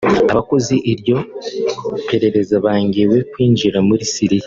Abakoze iryo perereza bangiwe kwinjira muri Syria